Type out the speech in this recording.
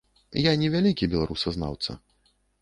Я не вялікі беларусазнаўца.